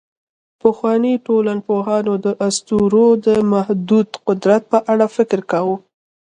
پخواني ټولنپوهان د اسطورو د محدود قدرت په اړه فکر کاوه.